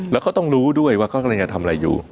แล้วเขาต้องรู้ด้วยว่าเขากำลังจะทำอะไรอยู่